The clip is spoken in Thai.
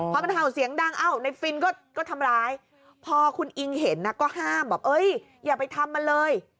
พอมันเผ่าเสียงดังในฟิล์นก็ทำร้ายพอคุณอิงเห็นก็ห้ามอย่าไปทำมันเลย